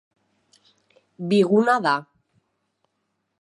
Biguna da.